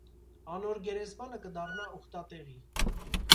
Անոր գերեզմանը կը դառնայ ուխտատեղի։